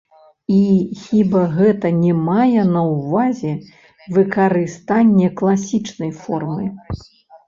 І хіба гэта не мае на ўвазе выкарыстанне класічнай формы?